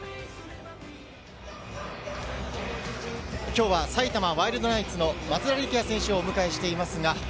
今日は埼玉ワイルドナイツの松田力也選手をお迎えしています。